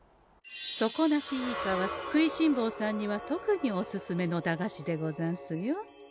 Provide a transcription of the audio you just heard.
「底なしイカ」は食いしんぼうさんには特におすすめの駄菓子でござんすよ。